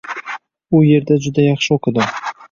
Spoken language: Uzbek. U yerda juda yaxshi oʻqidim.